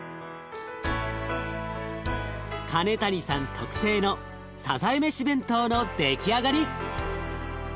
金谷さん特製のさざえ飯弁当の出来上がり。